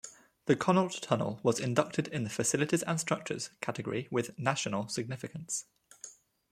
The Connaught Tunnel was inducted in the "Facilities and Structures" category with "National" significance.